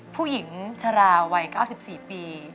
ผู้หญิงชราวัย๙๔ปี